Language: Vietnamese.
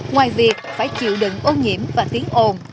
ngoài việc phải chịu đựng ô nhiễm và tiếng ồn